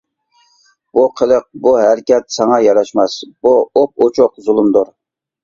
بۇ قىلىق، بۇ ھەرىكەت ساڭا ياراشماس، بۇ ئوپئوچۇق زۇلۇمدۇر!